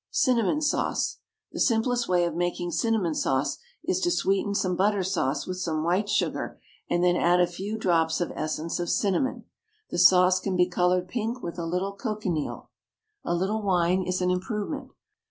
CINNAMON SAUCE. The simplest way of making cinnamon sauce is to sweeten some butter sauce with some white sugar, and then add a few drops of essence of cinnamon. The sauce can be coloured pink with a little cochineal. A little wine is an improvement.